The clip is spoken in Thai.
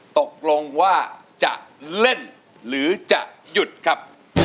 ตกลงว่าจะเล่นหรือจะหยุดครับ